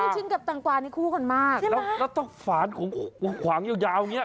ลูกชิ้นกับตังกวานี่คู่กันมากใช่ไหมแล้วต้องฝาของขวางยาวอย่างเงี้ย